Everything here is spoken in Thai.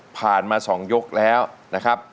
ผ่านมา๒ยกแล้วนะครับ